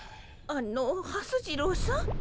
あのはす次郎さん？